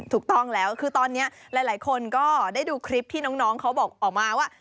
ถูกต้องแล้วคือตอนนี้หลายคนก็ได้ดูคลิปที่น้องเขาบอกออกมาว่า